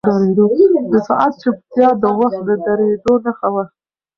د ساعت چوپتیا د وخت د درېدو نښه وه.